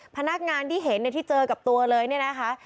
พนักงานที่เห็นที่เจอกับตัวเลยเนี่ยนะคะ